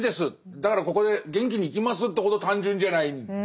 だからここで元気に生きますというほど単純じゃない。ですね。